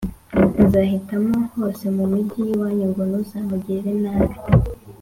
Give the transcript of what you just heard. azahitamo hose mu migi y iwanyu g Ntuzamugirire nabi h